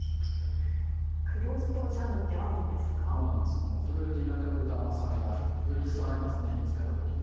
このフルーティーな香りと甘さがより一層合いますね煮詰めた時に。